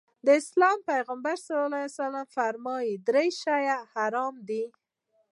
د اسلام پيغمبر ص وفرمايل درې شيان حرام دي.